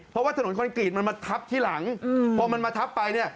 เพราะว่าถนนคอนกรีตมันมาทับที่หลังพอมันมาทับไปเนี่ย